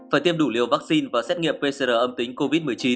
phải tiêm đủ liều vaccine và xét nghiệm pcr âm tính covid một mươi chín